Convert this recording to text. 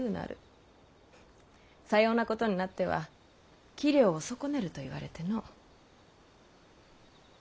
さようなことになっては器量を損ねると言われての。